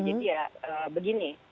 jadi ya begini